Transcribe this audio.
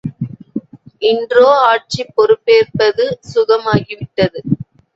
இன்றோ ஆட்சிப் பொறுப்பேற்பது சுகம் ஆகி விட்டது.